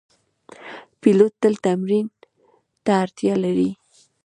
پیلوټ تل تمرین ته اړتیا لري.